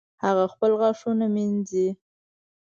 هغه خپل غاښونه مینځي